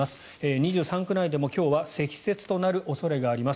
２３区内でも今日は積雪となる恐れがあります。